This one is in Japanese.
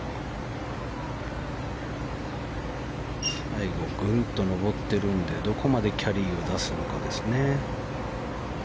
最後、グンと上ってるのでどこまでキャリーを出すのかですね。